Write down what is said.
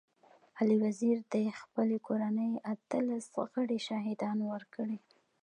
علي وزير د خپلي کورنۍ اتلس غړي شهيدان ورکړي.